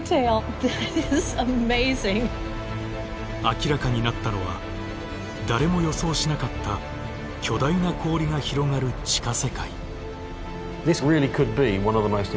明らかになったのは誰も予想しなかった巨大な氷が広がる地下世界。